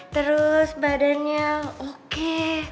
terus badannya oke